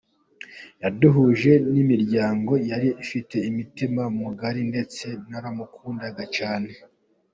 Yaduhuje n’imiryango, yari afite umutima mugari ndetse naramukundaga cyane.